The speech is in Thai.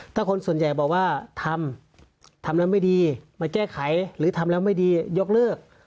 ถ้าคนส่วนใหญ่บอกว่าทำทำแล้วไม่ดีมาแก้ไขหรือทำแล้วไม่ดียกเลิก